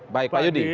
baik pak yudi